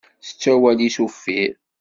Tettu awal-is uffir.